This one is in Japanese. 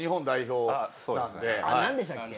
何でしたっけ？